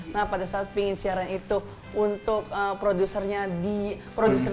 nah pada saat pingin siaran itu untuk produsernya dia keluar